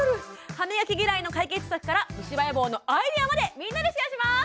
歯みがき嫌いの解決策から虫歯予防のアイデアまでみんなでシェアします！